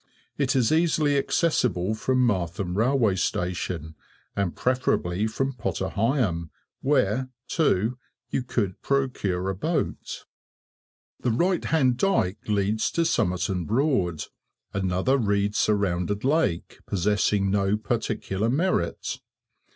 It is easily accessible from Martham railway station, and preferably from Potter Heigham, where, too, you could procure a boat. The right hand dyke leads to Somerton Broad, another reed surrounded lake, possessing no particular merit.